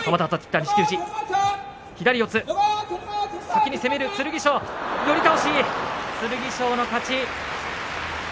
先に攻める剣翔、寄り倒し剣翔の勝ち。